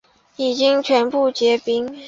已经全部结冰